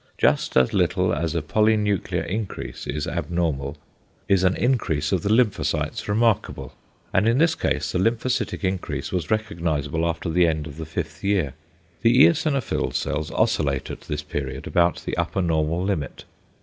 Just as little as a polynuclear increase is abnormal, is an increase of the lymphocytes remarkable; and in this case the lymphocytic increase was recognisable after the end of the fifth year. The eosinophil cells oscillate at this period about the upper normal limit.